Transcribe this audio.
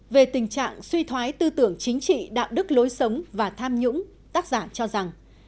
về tình trạng suy thoái tư tưởng chính trị đạo đức lối sống và tham nhũng tác giả cho rằng